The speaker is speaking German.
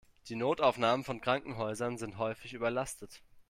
Die Notaufnahmen von Krankenhäusern sind häufig überlastet.